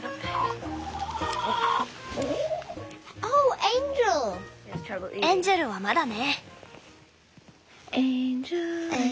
エンジェルはまだね。